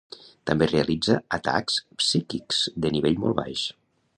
També realitza atacs psíquics de nivell molt baix.